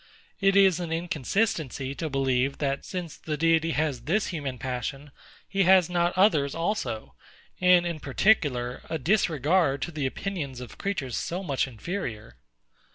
It is an inconsistency to believe, that, since the Deity has this human passion, he has not others also; and, in particular, a disregard to the opinions of creatures so much inferior.